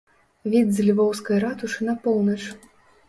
Від з львоўскай ратушы на поўнач.